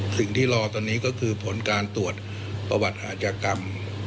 รอตอนนี้ก็คือผลการตรวจประวัติหาจกรรม